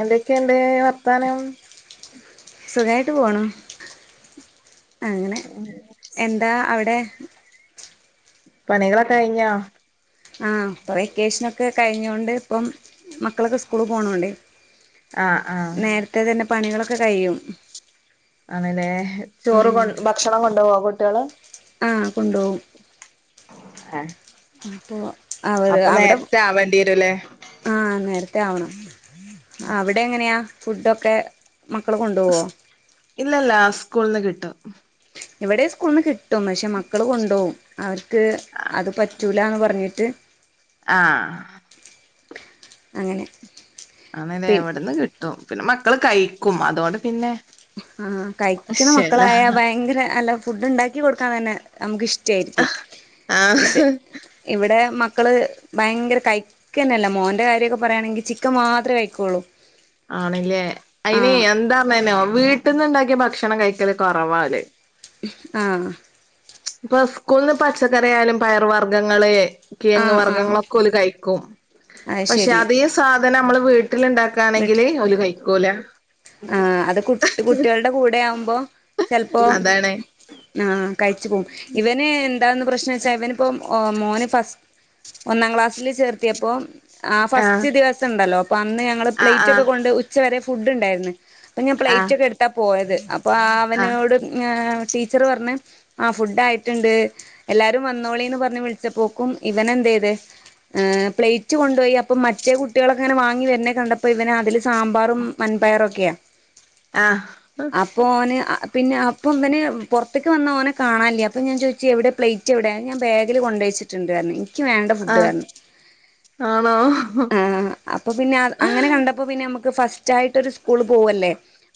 എന്തൊക്കെയുണ്ട് വർത്താനം സുഖായിട്ട് പോണു അങ്ങനെ [unintelligible] [inaudible] എന്താ അവിടെ പണികളൊക്കെ കഴിഞ്ഞ? ആ ഇപ്പ വെക്കേഷനൊക്കെ കഴിഞ്ഞൊണ്ട് ഇപ്പം മക്കളൊക്കെ സ്കൂള് പോണോണ്ട്. ആഹ് ആഹ് നേരത്തെ തന്നെ പണികളൊക്കെ കഴിയും. ആണല്ലേ ചോറ് കൊ ഭക്ഷണം കൊണ്ടുപോവോ കുട്ടികള്. ആ കൊണ്ടുപോകും. അപ്പൊ അപ്പൊ നേരത്തെ ആവേണ്ടി വരുംല്ലേ. ആ നേരത്തെ ആവണം അവിടെ എങ്ങനെയാ ഫുഡൊക്കെ മക്കള് കൊണ്ടു പോവോ? ഇല്ല ഇല്ല സ്കൂള്ന്ന് കിട്ടും. ഇവിടെയും സ്കൂളിന്ന് കിട്ടും പക്ഷെ മക്കള് കൊണ്ട് പോവും അവർക്ക് അത് പറ്റി. റ്റൂലാന്ന് പറഞ്ഞിട്ട്. ആ. അങ്ങനെ. ആണല്ലേ പി എവിടന്ന് കിട്ടും പിന്നെ മക്കള് കഴിക്കും അതുകൊണ്ട് പിന്നെ. ആ കഴിക്കുന്ന വിഷയല്ല മക്കളായ ഭയങ്കര അല്ല ഫുഡ് ഉണ്ടാക്കി കൊടുക്കാൻ തന്നെ. നമുക്ക് ഇഷ്ടായിരിക്കും ആഹ് ഇത് ഇവിടെ മക്കള് ഭയങ്കര കൈ ന്നല്ല മോൻന്റെ കാര്യൊക്കെ പറയാണെങ്കിൽ ചിക്കൻ മാത്രേ കഴിക്കുകയുള്ളൂ ആണല്ലേ അയിന് എന്താ ന്ന റിയോ വീട്ടിൽന്ന് ഉണ്ടാക്കിയ ഭക്ഷണം കഴിക്കല് കുറവാണ്. ആഹ. ഇപ്പൊ സ്കൂള്ന്ന് പച്ചക്കറിആയാലും പയറ് വർഗ്ഗങ്ങള്. കീഴങ്ങ് ആഹ് ആഹ് വർഗ്ഗങ്ങളൊക്കെ ഓര് കഴിക്കും അത് പക്ഷെ ശരി അതെ സാധനം നമ്മള് വീട്ടിലുണ്ടാക്കകൊല. വീട്ട് ആണെങ്കില് ഓല് കഴിക്കൂല. ആ അത് കു കുട്ടികളുടെ കൂടെ ആകുമ്പോ ചിലപ്പോ അതാണ് ആ. കഴിച്ച് പോവും ഇവന് എന്താന്ന് പ്രശ്നം വെച്ചാ ഇവന് ഇപ്പോ. ഓ മോന് ഫസ്റ്റ് ഒന്നാം ക്ലാസ്സിൽ ചേർത്തിയപ്പോ ആ ആഹ് ഫസ്റ്റ് ദിവസം ഉണ്ടല്ലോ. അന്ന് ഞങ്ങള് പ്ലേറ്റ് ആഹ് ഒക്കെ കൊണ്ട് ഉച്ച വരെ ഫുഡ് ഉണ്ടായിരുന്നു. അപ്പൊ ഞാൻ പ്ലേറ്റ് ആഹ് ഒക്കെ എടുത്താ പോയത് അപ്പൊ ആഹ് അവനോട് ടീച്ചറ് പറഞ്ഞ്. ആ ഫുഡ് ആയിട്ടുണ്ട് എല്ലാരും വന്നോളീന്ന് പറഞ്ഞ് വിളിച്ചപ്പോക്കും ഇവന് എന്ത്‌ ചെയ്ത്. എ പ്ലേറ്റ് കൊണ്ട് പോയി അപ്പം മറ്റേ കുട്ടികളക്കെങ്ങനെ വാങ്ങി വരണ കണ്ടപ്പോ ഇവന് അതില് സാമ്പാറും. വൻപയറൊക്കെയാ ആഹ് ആഹ് അപ്പോ ഓന്. പിന്നെ അപ്പം ഇവന് പുറത്തേക്ക് വന്ന ഓനെ കാണാനില്ല അപ്പം ഞാൻ ചോദിച്ച് എവിടെ പ്ലേറ്റ് എവിടെ ഞാൻ ബാഗില് കൊണ്ടുവെച്ച്. ടുണ്ട് പറഞ്. എനിക്ക് വേണ്ട ഫുഡ്‌ ആഹ് പറഞ്ഞു ആണോ അപ്പൊ പിന്നെ അങ്ങനെ കണ്ടപ്പോ. അപ്പൊ പിന്നെ നമുക്ക് ഫസ്റ്റ് ആയിട്ട് ഒരു സ്കൂൾ പോവല്ലേ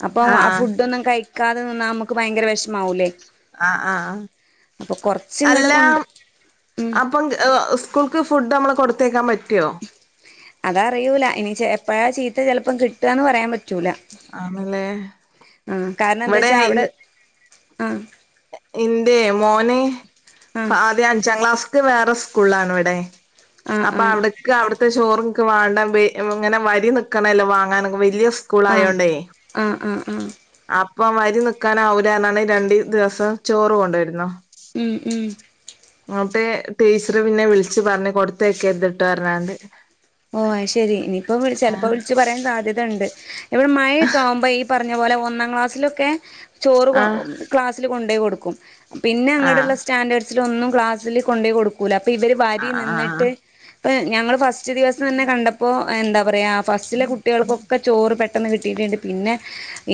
അപ്പൊ ആ ആഹ് ഫുഡ് ഒന്നും കഴി. ക്കാതെ വന്നാ നമുക്ക് ഭയങ്കര വിഷമാവൂലേ. ആ ആആ അപ്പൊ കൊറച്ച് ഇങ്ങട് അല്ലാ കൊണ്ട് ഉം അപ്പം. സ്കൂൾക്ക് ഫുഡ് നമ്മള് കൊടുത്തേക്കാൻ പറ്റുമോ? അത് അറിയൂല ഇനി എപ്പഴാ ചീത്ത ചിലപ്പം കിട്ടുകന്ന് പറയാൻ പറ്റൂല. ആണല്ലേ ആ കാരണം എന്താ ഇവിടെ വച്ചാ അവിടെ ആ. എന്റെ മോന് ആഹ് ആദ്യം അഞ്ചാം ക്ലാസ്ക്ക് വേറെ സ്കൂളാണ് ഇവിടെ. ആഹ് അപ്പൊ ആഹ് അവിടക്ക് അവിടുത്തെ ചോറ് ക്ക് വേണ്ട ഇങ്ങനെ വരി നിക്കണല്ലോ വാങ്ങാനൊക്കെ വലിയ ആഹ് സ്കൂൾആയോണ്ടേ ആഹ് ആഹ് ആഹ് അപ്പ വരി നിക്കാനാവൂല്ല രണ്ട് ദിവസ. ചോറ് കൊണ്ട് വരുന്നോ? ഉം ഉം അന്നിട്ട് ടീച്ചറ് പിന്നെ വിളിച്ച് പറഞ്ഞ് കൊടുത്തയക്കര്ത് ട്ട് പറഞ്ഞാണ്ട് ഓ അത് ശരി ഇനിയിപ്പോ വിളി ചെലപ്പോ ആഹ് വിളിച്ച് പറയാൻ സാധ്യതയുണ്ട് ഇവിടെ മഴയൊക്കെ ആവുമ്പോ പറഞ്ഞ പോലെ ഒന്നാം ക്ലാസ്സിലൊക്കെ ചോറ് കൊ ആഹ് ക്ലാസ്സിൽ കൊണ്ടയി കൊടുക്കും പിന്നെ അങ്ങടെ ആഹ് ഉള്ള സ്റ്റാൻഡേർഡ്സിൽ ഒന്നും ക്ലാസ്സിൽ കൊണ്ടയി കൊടുക്കൂല അപ്പൊ ഇവര് വരി ആഹ് നിന്നിട്ട് ആഹ് ഇപ്പെ ഞങ്ങൾ ഫസ്റ്റ് ദിവസം തന്നെ കണ്ടപ്പോ എന്താ പറയുക ഫസ്റ്റിലെ കുട്ടികൾക്കൊക്കെ ചോറ് പെട്ട ട്ടന്ന് കിട്ടിട്ടുണ്ട് പിന്നെ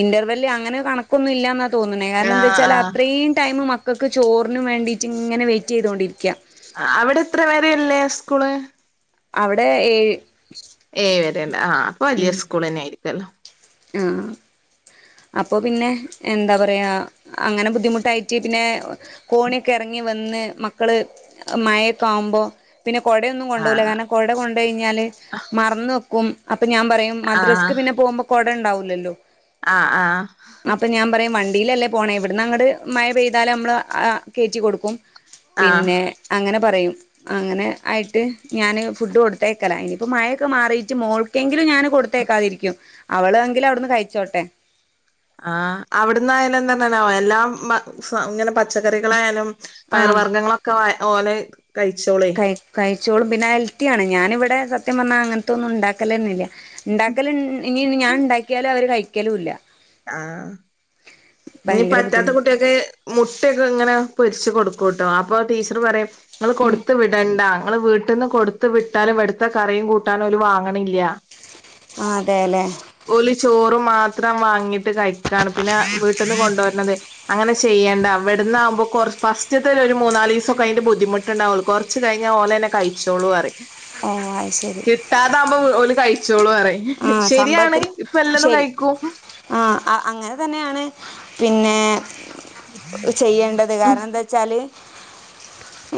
ഇന്റർവല് അങ്ങനെ കണക്കൊന്നും ഇല്ല നാണ് തോന്നണേ കാരണം എന്താ വെച്ചാൽ ആഹ് അത്രയും ടൈമ് മക്കക്ക് ചോറിന് വേണ്ടിട്ട് ഇങ്ങനെ വെയിറ്റ് ചെയ്തൊണ്ടിരിക്കാ അവിടെ എത്ര വേര ഉള്ളെ സ്കൂള് അവിടെ ഏഴ് ഏഹ് വരണ്ട ആഹ് അപ്പോ വല്യ സ്കൂളന്നെ ആയിരിക്കല്ലോ അഹ് ആഹ് അപ്പോ പിന്നെ എന്ത പറയാ അങ്ങനെ ബുദ്ധിമുട്ടായിറ്റ് പിന്നെ കോണിയൊക്കെ എറങ്ങി വന്ന് മക്കള് മഴ ഒക്കെ ആവുമ്പോ പിന്നെ കൊടയൊന്നും കൊണ്ടോവൂല ആഹ് കാരണം കൊട കൊണ്ട് കഴിഞ്ഞാല് മറന്ന് വെക്കും അപ്പ ഞാൻ പറയും മദ്രസ്ക്ക് ആഹ് പിന്നെ പോകുമ്പോ കൊടണ്ടാവൂല്ലല്ലോ ആഹ് ആഹ് അപ്പ ഞാൻ പറയും വണ്ടിലല്ലേ പോണേ ഇവിടുന്ന് അങ്ങട് മഴ പെയ്താലു നമ്മള് കെറ്റി കൊടുക്കും ആഹ് പിന്നെ അങ്ങന പറയും അങ്ങനെ ആയിട്ട് ഞാന് ഫുഡ് കൊടുത്തയക്കല ഇനിയിപ്പോ മഴയൊക്കെ മാറിട്ട് മോൾ എങ്കിലും ഞാന് കൊടുത്തേക്കാതിരിക്കും അവള് എങ്കിൽ അവിടന്ന് കഴിച്ചോട്ടെ ആഹ് അവിടന്നായാലും എന്നന്നാവോ എല്ലാം ഇങ്ങനെ പച്ചക്കറികളായാലും പയർ ആഹ് വർഗ്ഗങ്ങളൊക്കെ ഓല് കഴിച്ചോളയ് കഴി കഴിച്ചോളും പിന്നെ ഹെൽത്തിയാണ് ഞാനിവിടെ സത്യം പറഞ്ഞാൽ അങ്ങനത്തൊന്നും ഉണ്ടാക്കലന്നേ ഇല്ല ഉണ്ടാക്കല് ഉം ഇനി ഞാൻ ഇണ്ടാക്കിയാലും അവര് കഴിക്കലും ഇല്ല ആഹ് ഇനി ഭയങ്കര പറ്റാത്ത ബുദ്ധിമുട്ട് കുട്ട്യാക്ക് മുട്ട ഒക്കെ ഇങ്ങനെ പൊരിച്ചു കൊടുക്കുട്ടോ അപ്പോ ടീച്ചർ പറയും ഇങ്ങള് കൊടുത്ത വി ണ്ട നിങ്ങൾ വീട്ട്ന്ന് കൊടുത്ത് വിട്ടാലും ഇവ്ട്ത്തെ കറിയും കൂട്ടാനും ഓല് വാങ്ങ്ണില്ല ആഹ് അതെ ലെ ഓല് ചോറ് മാത്രം വാങ്ങീട്ട് കഴിക്കാണ് പിന്നെ വീട്ട്ന്ന് കൊണ്ടോര്ണത് അങ്ങനെ ചെയ്യേണ്ട ഇവ്ടന്നാവുമ്പോ കൊറ ഫസ്റ്റ്ത്തെ ഒരു മൂന്നാലീസൊക്കെ അതിന്റെ ബുദ്ധിമുട്ടുണ്ടാവും കൊറച്ച് കഴിഞ്ഞാൽ ഓലന്നെ കഴിച്ചോളൂ പറിം അഹ് അഹ് ശരി കിട്ടാതാകുമ്പോ ഓല് കഴിച്ചോളൂ പറിം ആഹ് ശരിയാണ് സംഭവത്തിൽ ഇപ്പ എല്ലതും ശരി കഴിക്കും ആഹ് അ അങ്ങനെ തന്നെയാണ് പിന്നെ ചെയ്യേണ്ടത് കാരണം എന്താച്ചാല്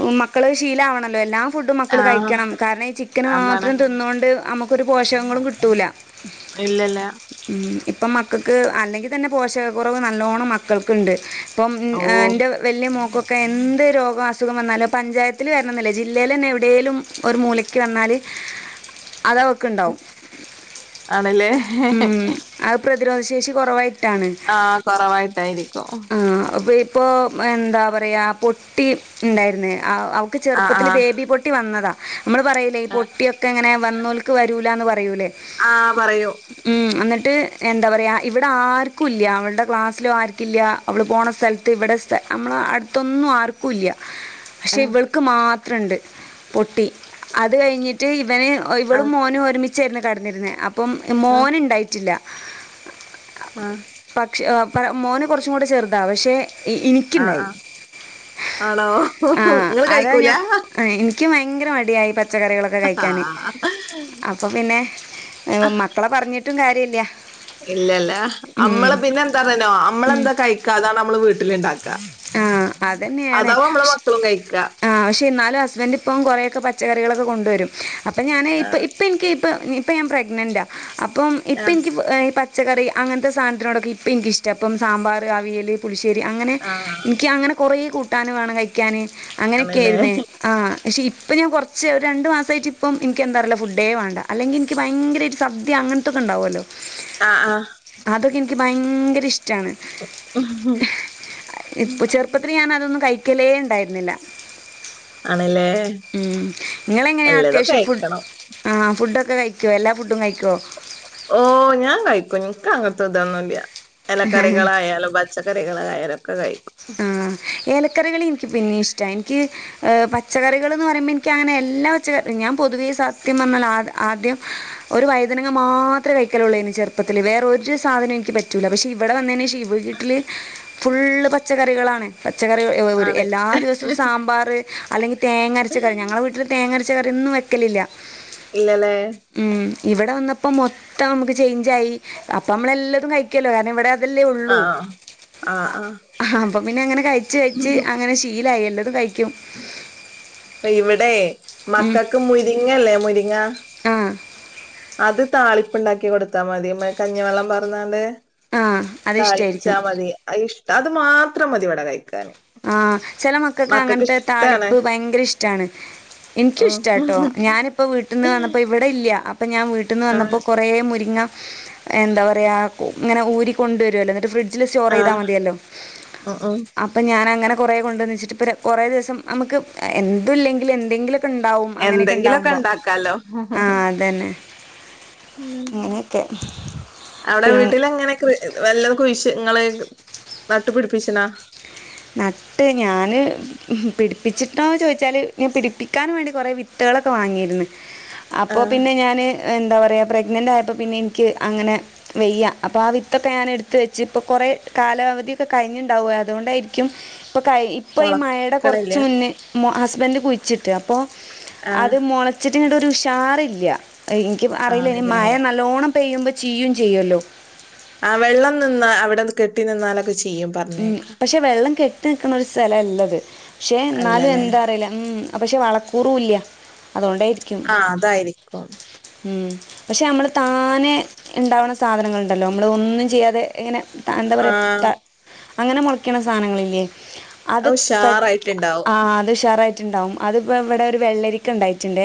ഉം മക്കള് ശീലാവണല്ലോ എല്ലാം പുഡും മക്കള് ആഹ് കയിക്കണം കാരണം ഈ ചിക്കന് അതാണ് മാത്രം തിന്നാേണ്ട് അമക്ക് ഒര്പോഷകങ്ങളും കിട്ടൂല ഇല്ലല്ല ഉം ഇപ്പം മക്കക്ക് അല്ലെങ്കി തന്നെ പോഷക കുറവ് നല്ലോണ്ണം മക്കൾക്ക്ണ്ട് ഇപ്പം ഇൻ അ ഓഹ് ഇൻ്റെ വെല്യ മോക്കൊക്കെ എന്ത് രോഗം അസുഖം വന്നാലും പഞ്ചായത്തില് വെരണംനില്ല ജില്ലേലെന്നെ എവ്ടേലും ഒരു മൂലക്ക് വന്നാല് അത് അവക്ക് ഇണ്ടാവും ആണ്ല്ലേ എഹ്ഹെ ഹെ ഉം അത് പ്രതിരോധ ശേഷി കാെറവായിട്ടാണ് ആഹ് കാെറവായിട്ടായിരിക്കും ആഹ് അപ്പ ഇപ്പോ എന്താ പറയാ പൊട്ടി ഇണ്ടായിര്ന്ന് [unintelligible] ഇക്ക് ആഹ് ചെറ്പ്പത്തില് ബേബി പൊട്ടി വന്നതാ നമ്മള് പറയി ലെ ഈ ആഹ് പൊട്ടിയൊക്കെ എങ്ങനെ വന്നോൽക്ക് വരൂലാന്ന് പറയൂലെ ആഹ് പറയൂ ഉം അന്ന്ട്ട് എന്താ പറയാ ഇവിടെ ആര്ക്കും ഇല്യ അവൾടെ ക്ലാസ്സിലും ആര്ക്കില്യ അവള് പോണ സ്ഥൽത്ത് ഇവടെ സ്ഥ നമ്മളെ അട്ത്തൊന്നും ആർക്കും ഇല്യ പക്ഷെ ആഹ് ഇവൾ ഇക്ക് മാത്രം ഇണ്ട് പൊട്ടി അത് കെയിഞ്ഞിട്ട് ഇവന് ഒയ് ആഹ് ഇവളുംമോനും അരുമി ചേന്ന് കിടന്നിരുന്ന അപ്പം ആഹ് മോന് ഉണ്ടായിട്ടില്ല ആഹ് പക്ഷ മോന് കുറച്ചും കൂടെ ചെറുതാ പക്ഷെ ആഹ് എനിക്കുണ്ടായി ആഹ് ആണോ ആഹ് ഇങ്ങള് അതാ കഴിക്കൂല ഞാൻ ആഹ് എനിക്ക് ഭയങ്കര മടിയായി പച്ചക്കറികള ആ കഴിക്കാന് അപ്പൊ പിന്നെ മക്കളെ പറഞ്ഞിട്ടും കാര്യല്ല ഇല്ലല്ലേ നമ്മള് പിന്നെ എന്താ പറഞ്ഞനോ ഉം നമ്മളെന്താ കഴിക്കാതാണ് നമ്മള് വീട്ട ട്ടണ്ടാക്ക ആഹ് അതന്നെയാണ്. അതാ നമ്മള ഷ് മക്കളും കഴിക്ക ആഹ് പക്ഷേ എന്നാലും ഹസ്ബൻഡറ് ഇപ്പം കുറെക്കെ പച്ചക്കറികളൊക്കെ കൊണ്ടുവരും അപ്പൊ ഞാന് ഇപ്പം ആഹ് ഇപ്പം എനിക്ക് ഇപ്പം ഇപ്പൊ ഞാൻ പ്രഗ്നന്റ അപ്പം ഇപ്പ ആഹ് എനിക്ക് പച്ചക്കറി അങ്ങനത്തെ സാധനത്തിനോടൊക്ക ഇപ്പോ എനിക്ക ഇഷ്ട ഇപ്പം സാമ്പാർ അവിയൽ പുളിശ്ശേരി അങ്ങനെ ആഹ് എനിക്ക് അങ്ങനെ കൊറേ കൂട്ടാന് വേണം കഴിക്കാന് അങ്ങനെയൊക്കെ ആണല്ലേ ആയിുന്നേ ആഹ് പക്ഷേ ഇപ്പം ഞാൻ കുറച്ച് ഒരു രണ്ടു മാസമായിട്ട് ഇപ്പം എനിക്ക് എന്താ പറല്ല ഫുഡേ വേണ്ട അല്ലെങ്കിൽ എനിക്ക് ഭയങ്കര ഒരു സദ്യ അങ്ങനത്തൊക്കെ ഉണ്ടാവുമല്ലോ ആഹ് ആഹ് അതൊക്കെ എനിക്ക് ഭയങ്കര ഇഷ്ടമാണ് ആഹ് ഇപ്പൾ ചെറുപ്പത്തിൽ ഞാന് അതൊന്നും കഴിക്കലേ ഉണ്ടായിരുന്നില്ല ആണല്ലേ ഉം നിങ്ങളെങ്ങനെയാ എല്ലതും അത്യാവശ്യം കഴിക്കണം ആഹ് ഫുഡ്ക്കെ കഴിക്കുവോ എല്ലാ ഫുഡും കഴിക്കുവോ ഓ ഞാൻ കഴിക്കും നിനക്ക് അങ്ങനത്തെ ഇതൊന്നുംല്ല ഇലക്കറികളായാലും പച്ചക്കറികളയലൊക്കെ കഴിക്കും ആഹ് ഏലക്കറികളി എനിക്ക് പിന്നെ ഇഷ്ടമാണ് എനിക്ക് പച്ചക്കറികൾ എന്ന് പറയുമ്പോൾ എനിക്ക് അങ്ങനെ എല്ലാ പച്ചക്കറി ഞാൻ പൊതുവേ സത്യം പഞ്ഞാൽ ആഹ് ആദ്യം ഒരു വൈദനങ്ങ മാത്രമേ വയ്ക്കലുള്ളൂ ഇന് ചെറുപ്പത്തില് വേറെ ഒരു സാധന എനി പറ്റൂല്ല പക്ഷെ ഇവിടെ വന്നതിം വീട്ടില് ഫുള്ള് പച്ചക്കറികളാണ് പച്ചക്കറ ഒരു ആണ് എല്ലാ ദിവസവും സാമ്പാർ അല്ലെങ്കിൽ തേങ്ങരച്ച കറി ഞങ്ങളുടെ വീട്ടിൽ തേങ്ങരച്ച കറിന്നും വെക്കലില്ല ഇല്ലല്ലേ ഉം ഇവിടെ വന്നപ്പോ മൊത്തം നമുക്ക് ചേഞ്ച്‌ അയക്കണേ അപ്പ നമ്മള എല്ലാതും കഴിക്കല്ലോ കാരണം ഇവിടെ അതല്ലേ ഉള്ളൂ ആഹ് ആഹ് ആഹ് അപ്പൊ പിന്നെ അങ്ങനെ കഴിച്ച് കഴിച്ച് ആഹ് അങ്ങനെ ശീലായി എല്ലാതും കഴിക്കും അഹ് ഇവിടെ ഉം മക്കൾക്ക് മുരിങ്ങല്ലേ മുരിങ്ങ ആഹ് അത് താളിപ്പ് ഉണ്ടാക്കി കൊടുത്താ മതി കഞ്ഞിവെള്ളം പറഞ്ഞണ്ട് ആഹ് അത് ഇഷ്ടായിരിക്കും താഴിച്ചാൽ മതി ഇഷ്ട അത് മാത്രം മതി വടകായി ആഹ് ചെല മക്കൾക്ക് അങ്ങനത്തെ ഇഷ്ടാണ് താളിപ്പ് ഭയങ്കര ഇഷ്ടമാണ് എനിക്കും ഇഷ്ടാട്ടോ ഉം ഞാനിപ്പോ വീട്ടിൽ നിന്ന് വന്നപ്പോ ഇവിടെ ഇല്ല അപ്പൊ ഞാൻ വീട്ടി നിന്ന് വന്നപ്പോ ആഹ് കുങ്ങ എന്താ പറയ ഇങ്ങനെ ഊരികൊണ്ട് വരുമല്ലോ എന്നിട്ട് ഫ്രിഡ്ജിൽ സ്റ്റോർ ചെയ്താ മതിയല്ലോ ആ ആ ഇപ്പം ഞാൻങ്ങനെ കുറേ കൊണ്ടുവന്ന് വച്ചിട്ട്പ്പം കുററെ ദിവസം നമുക്ക് എന്തും ഇല്ലങ്കില എന്തെങ്കിലും ണ്ടാവും അങ്ങനെയൊക്കെ എന്തെങ്കിലൊക്കെ ഉണ്ടാവുമ്പോ ഇണ്ടാക്കാലോ ആ അത തന്നെ അങ്ങനെയൊക്കെ അവിടെ പിന്നെ വീട്ടില എങ്ങനെ വല്ല കുഴശങ്ങള് നട്ടുപിടിപ്പിച്ചനാ ന ട്ട് ഞാൻ പിടിപ്പിച്ചിട്ടോെന്ന് ചോദിച്ചാൽ ഞാൻ പിടിപ്പിക്കാൻ വേണ്ടി കുറെേ വിത്തുകളൊക്കെ വാങ്ങിയിരുന്നു അപ്പൊ ആഹ് പിന്നെ ഞാാന് എന്താ പറയാ പ്രഗ്നന്റ് ആയപ്പോ പിന്നെ എനിക്ക് അങ്ങനെ വെയ്യ അപ്പം ആ വിത്തൊക്കെ ഞാൻ എടുത്ത് വെച്ച് ഇപ്പോൾ കുറെേ കാലാവധിയൊക്കെ കഴിഞ്ഞിുണ്ടാവുക അതുകൊണ്ടായിരിക്കും ഇ ഇപ്പ ഈ മഴയുടെ മൊളക്കണില്ല കുറച്ച് മുന്നേ ഹസ്ബൻഡ് കുഴിച്ചിട്ട് അപ്പൊ ആഹ് അത് മുളച്ചിട്ടിനട്ട ഒരു ഉഷാറില്ല എനിക്ക് അറിയില്ല ഇനി ആണല്ലേ മഴ നല്ലോണം പെയ്യുമ്പോ ചീയും ചെയ്യുമല്ലോ ആ വെള്ളം നിന്ന് അവിടെന്ന് കെട്ടി നിന്നാലൊക്കെ ചെയ്യും ഉം പറഞ്ഞേക്കാം പക്ഷെ വെള്ളം കെട്ടി നിക്കണ ഒരു സ്ഥലല്ലത് പക്ഷെ എന്നാലും അല്ലല്ലേ എന്താ അറിയില്ല ഉ ആ പക്ഷേ വളക്കൂറുമ ഇല്ല അതുകൊണ്ട് ആ അതായിരിക്കും മ പക്ഷെ നമ്മൾ താനെ ഉണ്ടാവുന്ന സാധനങ്ങൾുണ്ടല്ലോ നമ്മൾ ഒന്നും ചെയ്യാതെ ഇങ്ങനെ എന്താ പറയ ആഹ് അങ്ങനെ മുറിക്കണ സാധനങ്ങളില്ലേ അത് പെ ആ അത് ഷറായി ണ്ടാവും അത് ഇവിടെ ഒരു വെള്ളരിക്ക ഉണ്ടായിട്ടുണ്ട്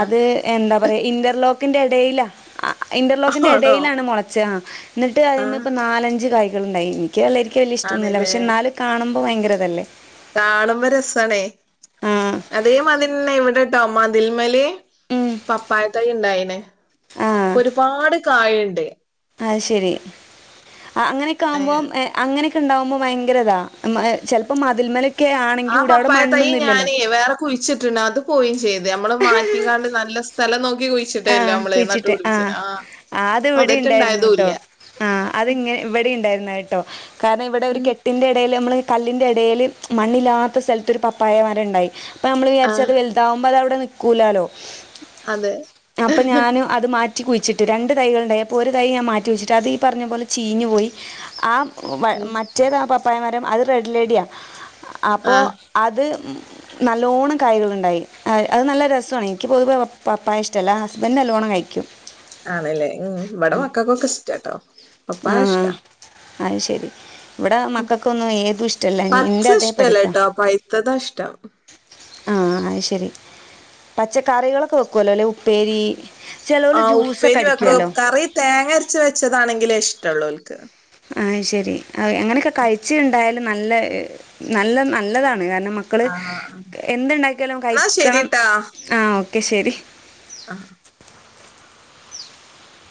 ആഹ് എന്താ പറയാ ഇന്റർലോക്കിന്റെ ഇടയിലാ ഇന്റർലോക്കിന്റെ ആണോ ഇടയിലാണ് മുളച്ച എന്നിട്ട് കയുമ്പോ ആഹ് ഇപ്പൊ നാലഞ്ച കായ്കളുണ്ടായി കുിക്കികൾായിരിക്കും വലിയ ഇഷ്ടമൊന്നുമില്ല ആണല്ലേ പക്ഷെ എന്നാലും കാുമ്പോൾ ഭയങ്കര അല്ലേ കാളുമ്പോ രസണേ ആ അതേമാതിരി പിന്നെ ഇവിടെട്ടോ മതിൽമലി ഉം. പപ്പായത്തായി ഇണ്ടായിനെ ഇപ്പൊ ഒരുപാട് കായുണ്ട് അ ശെരി അങ്ങനെയൊക്കെ ഏഹ് ആകുമ്പോം അങ്ങനെ ഉണ്ടുമ്പോ ഭയങ്കരാ ചപ്പോ മതിൽമല ആ പപ്പായ തൈ ഞാനേ വേറെ കുഴിച്ചിട്ടുണ്ട അത് പോയും ചെയ്ത് നമ്മള് മാറ്റിക്കാണ്ട് നല്ല സ്ഥലം നോക്കി ആ കുഴിച്ചിട്ടേല്ലോ നമ്മളെ നട്ട് കുഴിച്ചിട്ട് പിടിപ്പിച്ചേ ആ അതട്ട ഇണ്ടായതല്ല ആഹ അത്ങ്ങെ ഇവിടെ ഉണ്ടായിരുന്ന കേട്ടോ കാരണം ഇവിടെ ഒരു ഉം കെ പത്തിന്റെറെ ഇടയിൽ നമ്മള് കല്ലിൻറെ ഇടയിൽ മണ്ണില്ലാത്ത സ്ഥലത്ത ഒരു പപ്പായമാരെ ഉണ്ടായി അപ്പ നമ്മ ആ വിചാരിച്ചത് വലുതാവുമ്പോ അത അവിടെ നക്കൂലാലോ അതെ അപ്പൊ ഞാന് അത് മാറ്റി കുഴിട്ട് രണ്ട് തകുണ്ടായി അപ്പോൾ ഒരു തൈ ഞാൻറ്റി കുിച്ചിട്ട്ത് ഈ പറഞ്ഞ പോലെ ചീഞ്ഞു പോയി ആ ഉം. മറ്റേതാ പപ്പായന്മാരം അത് റെഡ് ലേഡിയാ അപ്പൊ ആ അത് നല്ലോണ്ണം കായലുകുണ്ടായി അത് നല്ല രസമാണ് എനിക്ക് പൊതുവ പപ്പായ മറ്റല്ല ഹസ്ബൻഡ് നല്ലോണ്ണം കഴിക്കും ആണല്ലേ ഉ ഇവിടെ മക്കക്ക്ൊക്കെ ഇഷ്ടാട്ടോ ആ പപ്പായ ഇഷ്ടാ അത് ശരി ഇവിടെ മക്കൾക്കൊന്നും ഏതും ഇഷ്ടല്ല പച്ച എന്റെ അതേ പഠിപ്പാ ഇഷ്ടല്ലട്ടോ പഴുത്തതാ ഇഷ്ടം ആഹ അത് ശരി പച്ചക്കറികളൊക്കെ വെക്കുവല്ലോ അല്ലെ ഉപ്പേരി ചിലവർ ആ ജ്യൂസൊക്കെ ഉപ്പേരി വെക്ക അടിക്കുമല്ലോ കറി തേങ്ങ അരച്ച വെച്ചതാണെങ്കിലേ ഇഷ്ടമള്ളൂ അവക്ക് ആ ശരി എങ്ങനെയൊക്കെ കഴിച്ചുണ്ടായാലും നല്ല നല്ല നല്ലതാണ് കാരണം മക്കള് ആ ആ. എന്ണ്ടാക്കിയാലും എന്നാ കഴിക്കണം ആ ഓക്കെ ശരി ആഹ